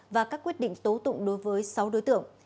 và các quyết định tố tụng đối với sáu đối tượng